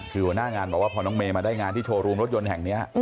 คือหัวหน้างานบอกว่าพอน้องเมย์มาได้งานที่โชว์รูมรถยนต์แห่งนี้